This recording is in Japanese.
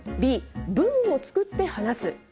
Ｂ、文を作って話す。